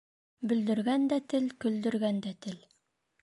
Бөлдөргән дә тел, көлдөргән дә тел.